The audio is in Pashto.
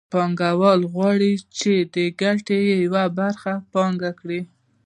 پانګوال غواړي چې د ګټې یوه برخه پانګه کړي